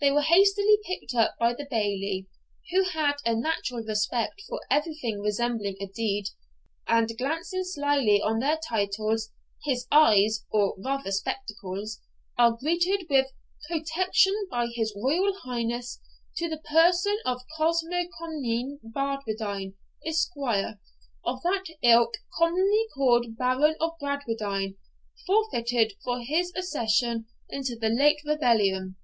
They were hastily picked up by the Bailie, who had a natural respect for everything resembling a deed, and, glancing slily on their titles, his eyes, or rather spectacles, are greeted with 'Protection by his Royal Highness to the person of Cosmo Comyne Bradwardine, Esq., of that ilk, commonly called Baron of Bradwardine, forfeited for his accession to the late rebellion.'